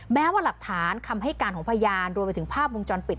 แม้ว่าหลักฐานคำให้การของพยานรวมไปถึงภาพวงจรปิด